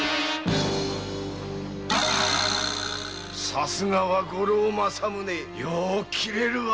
さすがは「五郎正宗」よう斬れるわ。